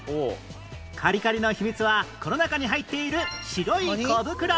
カリカリの秘密はこの中に入っている白い小袋